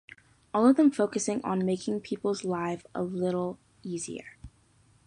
All of them focusing on "making people's life a little easier".